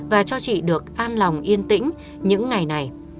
và cho chị được an lòng yên tĩnh những ngày này